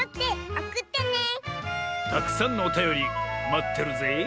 たくさんのおたよりまってるぜえ。